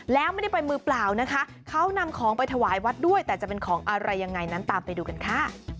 แล้วไม่ได้ไปมือเปล่านะคะเขานำของไปถวายวัดด้วยแต่จะเป็นของอะไรยังไงนั้นตามไปดูกันค่ะ